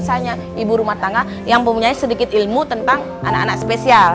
misalnya ibu rumah tangga yang mempunyai sedikit ilmu tentang anak anak spesial